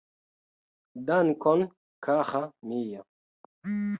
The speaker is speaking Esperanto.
Dankon kara mia